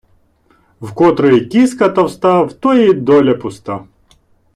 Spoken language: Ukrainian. В котрої кіска товста, в тої доля пуста.